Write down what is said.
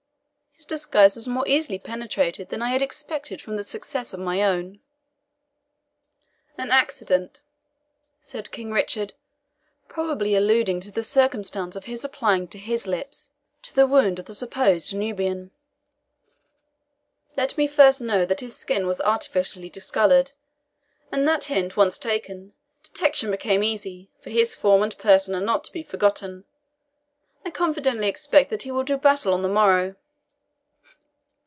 His disguise was more easily penetrated than I had expected from the success of my own." "An accident," said King Richard (probably alluding to the circumstance of his applying his lips to the wound of the supposed Nubian), "let me first know that his skin was artificially discoloured; and that hint once taken, detection became easy, for his form and person are not to be forgotten. I confidently expect that he will do battle on the morrow."